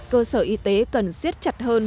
cơ sở y tế cần xiết chặt hơn